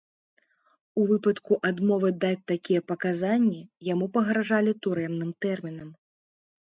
У выпадку адмовы даць такія паказанні яму пагражалі турэмным тэрмінам.